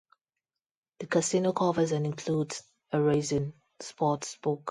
The casino covers and includes a race and sports book.